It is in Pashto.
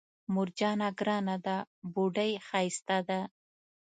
مور جانه ګرانه ده بوډۍ ښايسته ده